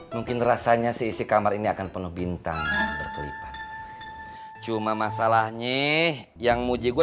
mungkin rasanya seisi kamar ini akan penuh bintang berkelipat cuma masalahnya yang muji gue